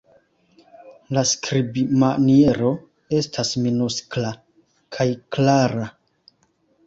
La skribmaniero estas minuskla kaj klara.